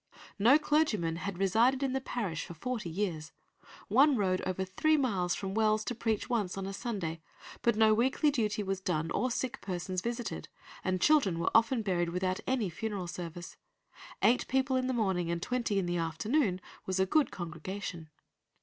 "No clergyman had resided in the parish for forty years. One rode over three miles from Wells to preach once on a Sunday, but no weekly duty was done or sick persons visited; and children were often buried without any funeral service. Eight people in the morning, and twenty in the afternoon, was a good congregation."